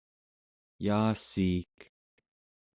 yaassiik